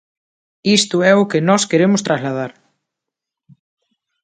Isto é o que nós queremos trasladar.